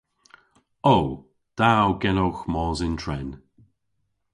O. Da o genowgh mos yn tren.